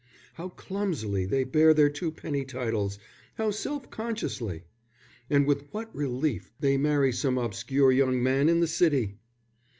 How clumsily they bear their twopenny titles, how self consciously! And with what relief they marry some obscure young man in the City!"